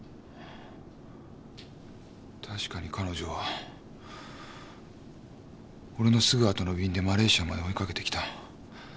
確かに彼女は俺のすぐ後の便でマレーシアまで追いかけてきた。